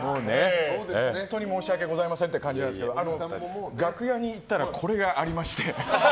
本当に申し訳ございませんって感じなんですけど楽屋に行ったらこれがありまして。